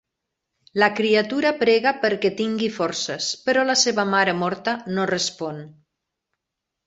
La criatura prega perquè tingui forces, però la seva mare morta no respon.